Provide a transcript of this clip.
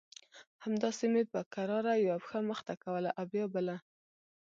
همداسې مې په کراره يوه پښه مخته کوله او بيا بله.